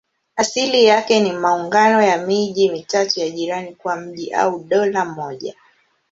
Asili yake ni maungano ya miji mitatu ya jirani kuwa mji au dola moja.